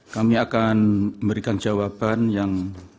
kami akan memberikan jawaban yang